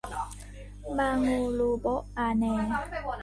บาโงลูโบ๊ะอาแน